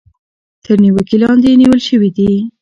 تر نېوکې لاندې نيول شوي دي.